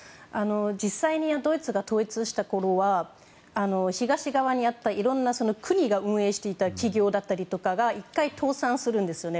実際にドイツが統一したころは東側にいろんな国が運営していた企業だったりとかが１回倒産するんですよね。